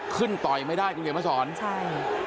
ขึ้นต่อยไม่ได้กับเกียรติภาษฐ์ศร้อนใช่